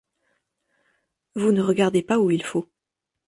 Vous ne regardez pas où il faut.